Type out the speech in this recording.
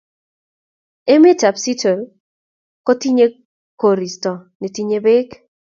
Emetab Seattle kotinye koristo netinyei beek